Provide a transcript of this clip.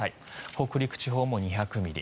北陸地方も２００ミリ